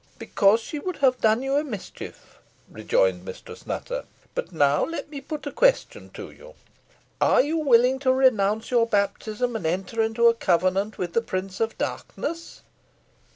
"Because she would have done you a mischief," rejoined Mistress Nutter. "But now let me put a question to you. Are you willing to renounce your baptism, and enter into a covenant with the Prince of Darkness?"